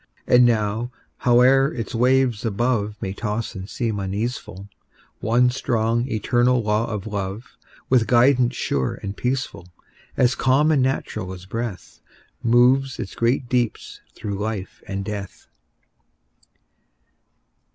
And now, howe'er its waves above May toss and seem uneaseful, One strong, eternal law of Love, With guidance sure and peaceful, As calm and natural as breath, Moves its great deeps through life and death.